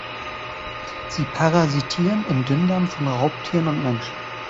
Sie parasitieren im Dünndarm von Raubtieren und Mensch.